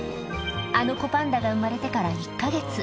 あの子パンダが産まれてから１か月。